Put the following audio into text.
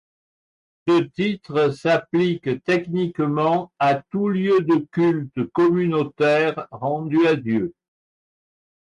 Ce titre s'applique techniquement à tout lieu de culte communautaire rendu à Dieu.